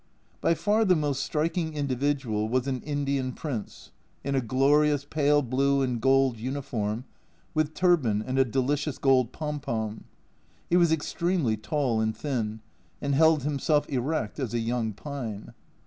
By far the most striking individual was an Indian prince, in a glorious pale blue and gold uniform, with turban and a delicious gold pompon. He was ex tremely tall and thin, and held himself erect as a young pine.